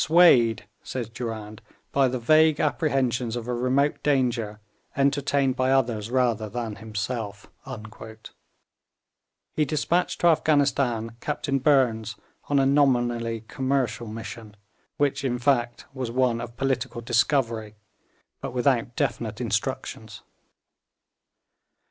'Swayed,' says Durand, 'by the vague apprehensions of a remote danger entertained by others rather than himself,' he despatched to Afghanistan Captain Burnes on a nominally commercial mission, which, in fact, was one of political discovery, but without definite instructions.